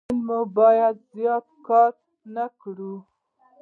موبایل مو باید زیات کار نه کړو.